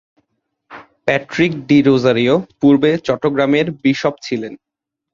Patrick D'Rozario পূর্বে চট্টগ্রামের bishop ছিলেন।